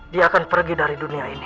dia akan pergi dari dunia ini